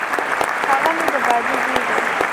هغه مي د باجه زوی دی .